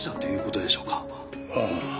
ああ。